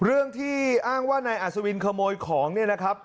เรื่องที่อ้างว่านายอัศวินขโมยของเนี่ยนะครับ